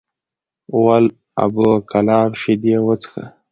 ول ابو کلاب شیدې وڅښه!